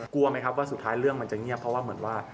กลัวไหมครับว่าสุดท้ายเรื่องมันจะเงียบเพราะว่าเหมือนว่า